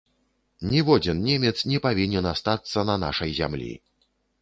Ніводзін немец не павінен астацца на нашай зямлі.